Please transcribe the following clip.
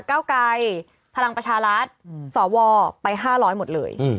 เก้าไกรพลังประชารัฐสวไป๕๐๐หมดเลย